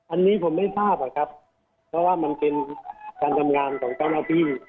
อันนี้ผมไม่ทราบอะครับเพราะว่ามันเป็นการทำงานของเจ้าหน้าที่